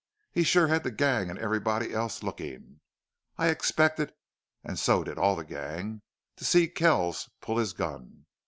He sure had the gang and everybody else looking. I expected and so did all the gang to see Kells pull his gun.